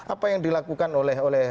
apa yang dilakukan oleh